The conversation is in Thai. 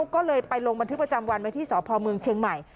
ก็เลยไปลงบันทึกประจำวันไว้ที่สพเมืองเชียงใหม่